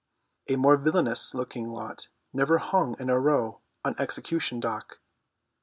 A more villainous looking lot never hung in a row on Execution dock.